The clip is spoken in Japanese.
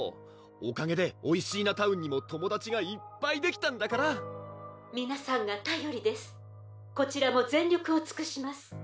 おかげでおいしーなタウンにも友達がいっぱいできたんだから「皆さんがたよりですこちらも全力をつくします」